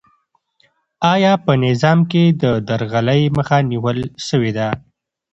آیا په نظام کې د درغلۍ مخه نیول سوې ده؟